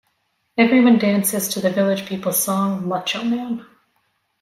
Everyone dances to the Village People's song "Macho Man".